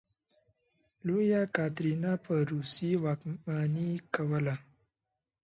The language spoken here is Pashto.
لویه کاترینه په روسیې واکمني کوله.